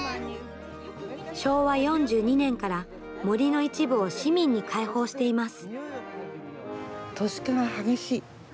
昭和４２年から、森の一部を市民に開放しています。